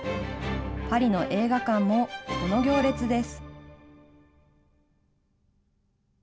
パリの映画館もこの行列です。